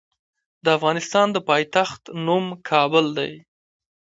د افغانستان د پايتخت نوم کابل دی.